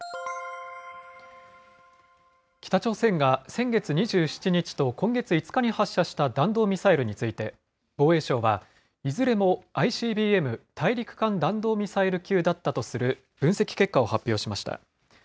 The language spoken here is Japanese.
北朝鮮が、先月２７日と今月５日に発射した弾道ミサイルについて、防衛省は、いずれもＩＣＢＭ・大陸間弾道ミサイル級だったとする分析結果を発表しました。